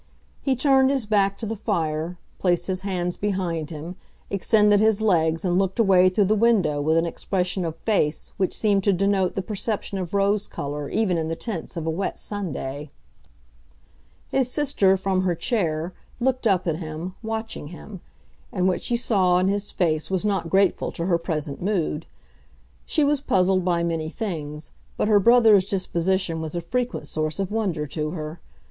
He turned his back to the fire, placed his hands behind him, extended his legs and looked away through the window with an expression of face which seemed to denote the perception of rose color even in the tints of a wet Sunday. His sister, from her chair, looked up at him, watching him; and what she saw in his face was not grateful to her present mood. She was puzzled by many things, but her brother's disposition was a frequent source of wonder to her.